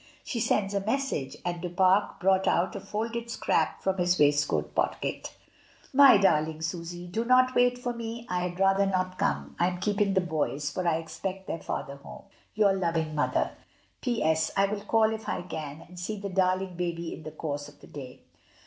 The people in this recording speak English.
She sends a message," and Du Pare brought out a folded scrap from his waistcoat pocket:— ^ My darling Susy, — Do not wait for me; I had ALMSGIVING. 85 rather not come. I am keeping the boys, for I expect their father home. "Your loving Mother. "P.S. — I will call if I can, and see the darling baby in the course of the day.'